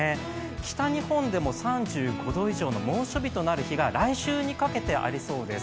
北日本でも３５度以上の猛暑日になりそうな日が来週にかけてありそうです。